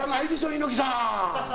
猪木さん。